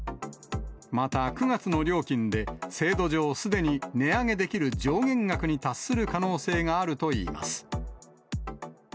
また９月の料金で制度上すでに値上げできる上限額に達する可能性があるといいます。